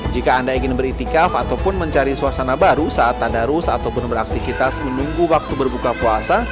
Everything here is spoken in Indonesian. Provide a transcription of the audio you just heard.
jika anda ingin beritikaf ataupun mencari suasana baru saat tanda rus atau beraktifitas menunggu waktu berbuka puasa